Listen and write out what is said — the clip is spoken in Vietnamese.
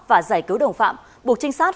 và giải cứu đồng phạm buộc trinh sát